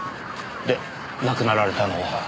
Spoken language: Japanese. で亡くなられたのは？